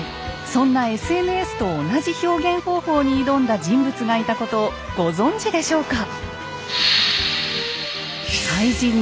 そんなＳＮＳと同じ表現方法に挑んだ人物がいたことをご存じでしょうか？